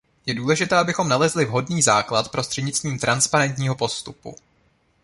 Je důležité, abychom nalezli vhodný základ prostřednictvím transparentního postupu.